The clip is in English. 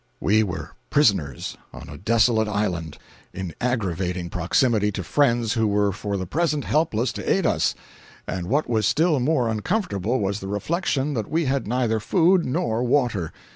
We were prisoners on a desolate island, in aggravating proximity to friends who were for the present helpless to aid us; and what was still more uncomfortable was the reflection that we had neither food nor water.